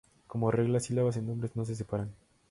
Como regla, sílabas en nombres no se separan.